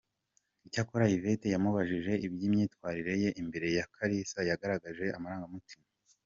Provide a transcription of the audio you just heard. Icyakora Yvette yamubajije iby’imyitwarire ye imbere ya Kalisa yagaragaje amarangamutima.